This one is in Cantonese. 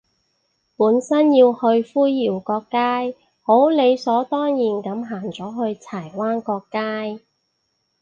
本身要去灰窰角街，好理所當然噉行咗去柴灣角街